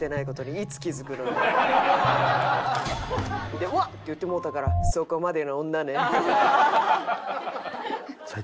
で「うわっ！」って言ってもうたから「そこまでの女ね」と。ハハハハ！